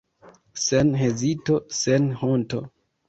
Sen hezito, sen honto!